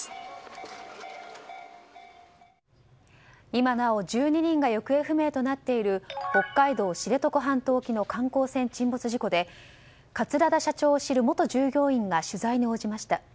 今なお１２人が行方不明となっている北海道知床半島沖の観光船沈没事故で桂田社長を知る元従業員が取材に応じました。